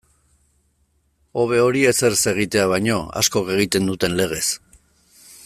Hobe hori ezer ez egitea baino, askok egiten duten legez.